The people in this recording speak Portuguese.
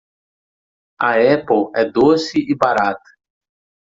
A Apple é doce e barata